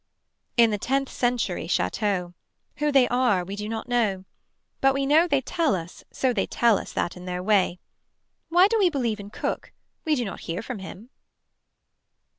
In the tenth century chateau. Who they are we do not know. But we know they tell us so they tell us that in that way. Why do we believe in Cook. We do not hear from him.